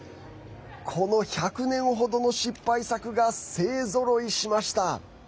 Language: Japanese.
この１００年ほどの失敗作が勢ぞろいしました。